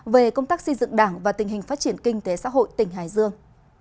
về công tác xây dựng đảng và tình hình phát triển kinh tế xã hội tỉnh hải dương